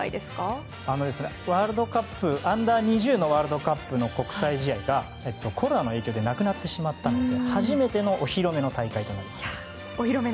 ワールドカップアンダー２０のワールドカップの国際試合がコロナの影響でなくなってしまったので初めてのお披露目の大会となります。